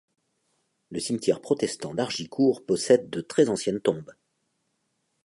Le cimetière protestant d'Hargicourt possède de très anciennes tombes.